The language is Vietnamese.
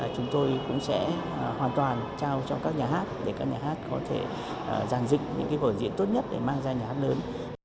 chúng tôi cũng sẽ hoàn toàn trao cho các nhà hát để các nhà hát có thể giàn dịch những vở diễn tốt nhất để mang ra nhà hát lớn